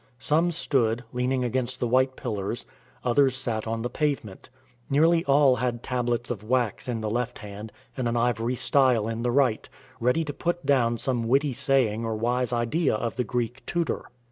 Some stood, leaning against the white pillars; others sat on the pavement. Nearly all had tablets of wax in the left hand and an ivory style in the right, ready to put down some witty saying or wise idea of the Greek tutor.